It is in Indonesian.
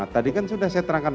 tadi kan sudah saya terangkan